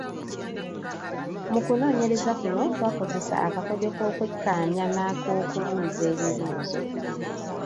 Mu kunoonyereza kuno twakozesa akakodyo k’okwekkaanya n’ak’okubuuza ebibuuzo.